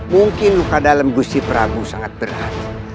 mungkin luka dalam gusi prabu sangat berat